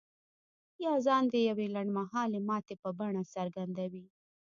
يا ځان د يوې لنډ مهالې ماتې په بڼه څرګندوي.